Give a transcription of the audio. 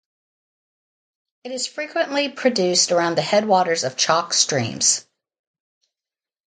It is frequently produced around the headwaters of chalk streams.